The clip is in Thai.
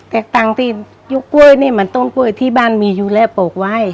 แต่ตังค์ที่ยกกล้วยนี่มันต้นกล้วยที่บ้านมีอยู่แล้วปลูกไว้